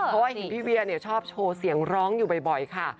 เพราะว่าเห็นพี่เวียชอบโชว์เสียงร้องอยู่บ่อยค่ะ